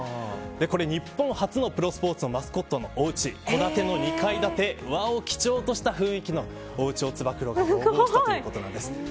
これ日本初のプロスポーツマスコットのお家として戸建ての２階建て和を基調とした雰囲気のおうちを要望したということなんです。